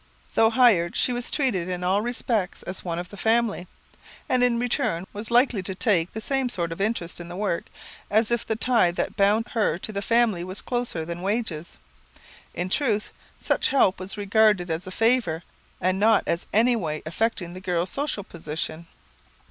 Though hired, she was treated in all respects as one of the family, and in return was likely to take the same sort of interest in the work, as if the tie that bound her to the family was closer than wages. In truth, such help was regarded as a favour, and not as in any way affecting the girl's social position.